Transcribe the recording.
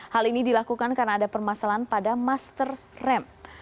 hal ini dilakukan karena ada permasalahan pada master rem